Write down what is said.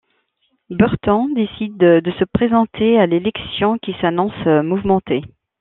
Berton décide de se présenter à l'élection qui s'annonce mouvementée.